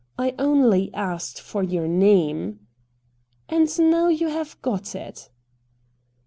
' I only asked for your name '' And now you have got it.'